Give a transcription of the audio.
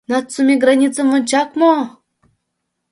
НАЦУМЕ ГРАНИЦЫМ ВОНЧАК МО?